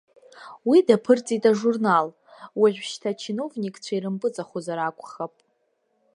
Уи даԥырҵит ажурнал, уажәшьҭа ачиновникцәа ирымпыҵахозар акәхап!